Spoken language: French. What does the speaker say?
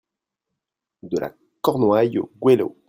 De la Cornouaille au Goëlo.